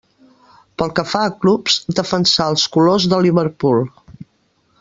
Pel que fa a clubs, defensà els colors del Liverpool.